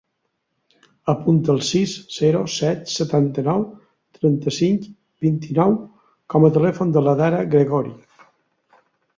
Apunta el sis, zero, set, setanta-nou, trenta-cinc, vint-i-nou com a telèfon de l'Adhara Gregori.